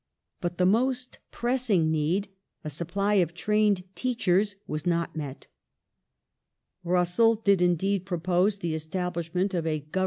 But the most pressing need, a supply of trained teachei s, was not met. Russell did indeed propose the establishment of a Government ^Q.V.L. i.